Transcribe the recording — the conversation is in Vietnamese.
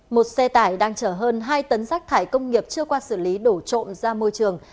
một xe tải đang chở hơn hai tấn rác thải công nghiệp chưa qua xử lý đổ trộm ra môi trường